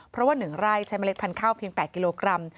เพราะว่า๑ไร่ใช้เมล็ดพันธุ์เพียง๘กิโลกรัม